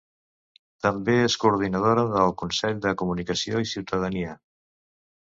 També és coordinadora del Consell de Comunicació i Ciutadania.